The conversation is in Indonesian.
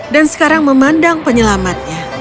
dan sekarang memandang penyelamatnya